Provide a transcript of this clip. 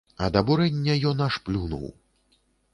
Ад абурэння ён аж плюнуў.